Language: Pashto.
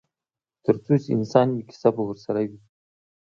ترڅو چې انسان وي کیسه به ورسره وي.